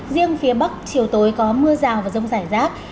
riêng phía bắc chiều tối có mưa rào và rông rải rác